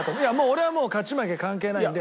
俺はもう勝ち負け関係ないんで。